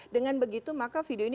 dengan begitu maka video ini